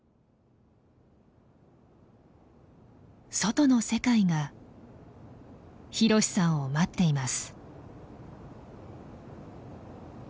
外の世界がひろしさんを待っています。